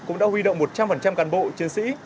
cũng đã huy động một trăm linh cán bộ chiến sĩ